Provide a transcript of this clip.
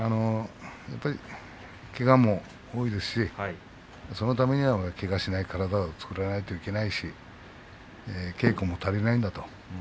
けがも多いですしそのためにはけがをしない体を作らないといけないし稽古も足りないんだと。